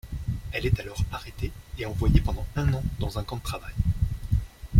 Elle est alors arrêtée et envoyée pendant un an dans un camp de travail.